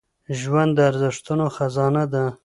ژوند د ارزښتونو خزانه ده